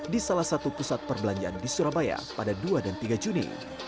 di salah satu pusat perbelanjaan di surabaya pada dua dan tiga juni